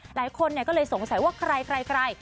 หลายคนก็เลยสงสัยว่าใคร